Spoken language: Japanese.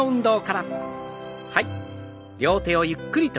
はい。